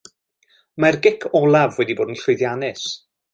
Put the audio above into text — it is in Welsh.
Mae'r gic olaf wedi bod yn llwyddiannus.